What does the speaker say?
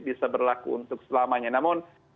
bisa berlaku untuk selamanya namun